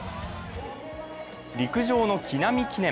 陸上の木南記念。